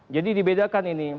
jadi dibedakan ini